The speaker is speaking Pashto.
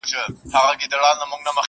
• او پوښتني نه ختمېږي هېڅکله,